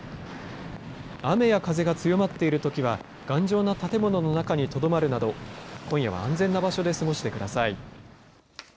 雨や風が強まっているときは頑丈な建物の中にとどまるなど今夜は安全な場所で過ごしてください。